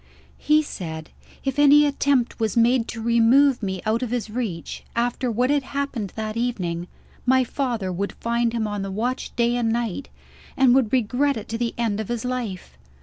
"He said, if any attempt was made to remove me out of his reach, after what had happened that evening, my father would find him on the watch day and night, and would regret it to the end of his life.